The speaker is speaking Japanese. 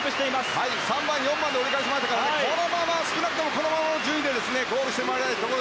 ３番、４番で折り返しましたから少なくともこのままの順位でゴールしてもらいたい。